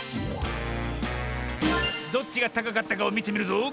どっちがたかかったかをみてみるぞ。